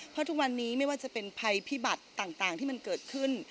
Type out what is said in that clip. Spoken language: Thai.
เพราะทุกวันนี้ไม่ว่าจะเป็นภัยพิบัติต่างที่มันเกิดขึ้น